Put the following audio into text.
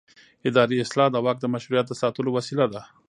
اداري اصلاح د واک د مشروعیت د ساتلو وسیله ده